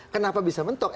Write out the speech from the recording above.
kenapa bisa mentok